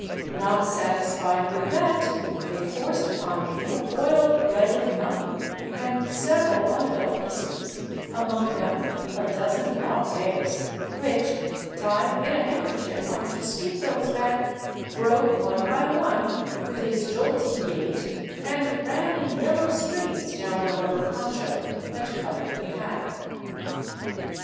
Not satisfied with that, they forced upon me a boiled leg of mutton and several other delicacies, among them a dozen raw eggs which, tied in a handkerchief on Chusquito's back, broke one by one with his jolting gait and ran in yellow streams down the rubber poncho that covered the pack.